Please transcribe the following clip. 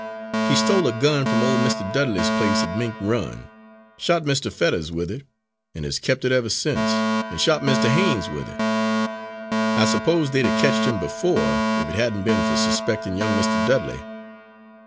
He stole a gun from ole Mr. Dudley's place at Mink Run, shot Mr. Fetters with it, and has kept it ever since, and shot Mr. Haines with it. I suppose they'd 'a' ketched him before, if it hadn't be'n for suspectin' young Mr. Dudley."